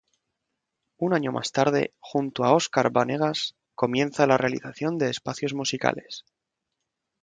Un año más tarde, junto a Óscar Banegas, comienza la realización de espacios musicales.